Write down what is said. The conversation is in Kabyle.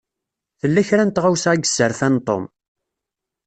Tella kra n tɣawsa i yesserfan Tom.